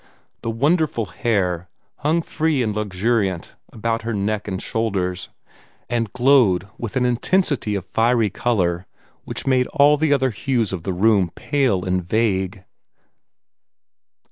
The wonderful hair hung free and luxuriant about her neck and shoulders, and glowed with an intensity of fiery color which made all the other hues of the room pale and vague.